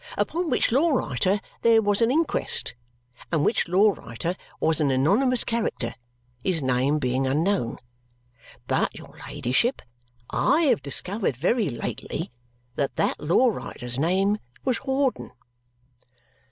Upon which law writer there was an inquest, and which law writer was an anonymous character, his name being unknown. But, your ladyship, I have discovered very lately that that law writer's name was Hawdon."